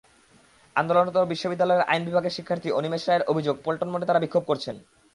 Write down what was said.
আন্দোলনরত বিশ্ববিদ্যালয়ের আইন বিভাগের শিক্ষার্থী অনিমেষ রায়ের অভিযোগ, পল্টন মোড়ে তাঁরা বিক্ষোভ করছেন।